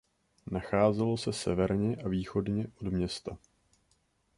Nacházelo se severně a východně od města.